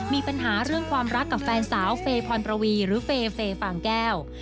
มีปัญหาเรื่องความรักกับแฟนสาวเฟย์พรประวีหรือเฟย์เฟย์ฟางแก้ว